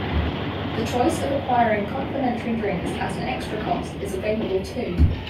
The choice of acquiring complementary drinks at an extra cost is available too.